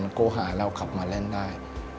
เขาก็หาเรากลับมาเล่นได้